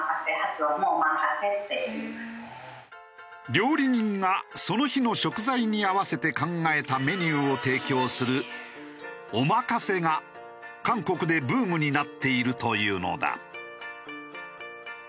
料理人がその日の食材に合わせて考えたメニューを提供する「おまかせ」が韓国でブームになっているというのだ。